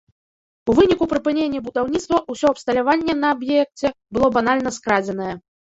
У выніку прыпынення будаўніцтва ўсё абсталяванне на аб'еце было банальна скрадзенае.